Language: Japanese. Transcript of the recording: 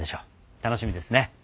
楽しみですね。